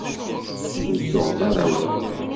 Ur tuɣeḍ ara awal.